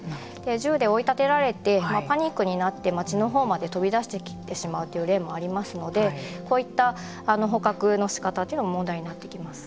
銃で追い立てられてパニックになって街のほうまで飛び出してきてしまうという例もありますのでこういった捕獲の仕方というのは問題になってきます。